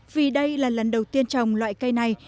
vì đây là lần đầu tiên trồng loại cây này